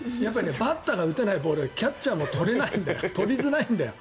バッターが打てないボールはキャッチャーも取れないんだよ取りづらいんだよ。